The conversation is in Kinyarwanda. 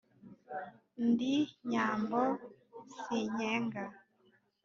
Ndi Nyambo sinkenga,